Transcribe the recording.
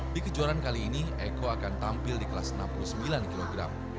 di kejuaraan kali ini eko akan tampil di kelas enam puluh sembilan kg